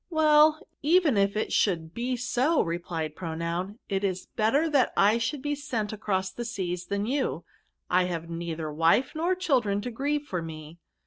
*•• "Well, even if it diould be so,' repKed Pronoun, < it is better that I should be sent across the seas than you; I have neither wife nor children to grieve for me.'